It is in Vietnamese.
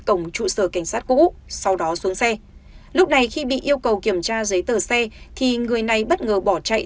cổng trụ sở cảnh sát cũ sau đó xuống xe lúc này khi bị yêu cầu kiểm tra giấy tờ xe thì người này bất ngờ bỏ chạy